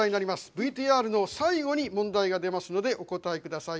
ＶＴＲの最後に問題が出ますのでお答え下さい。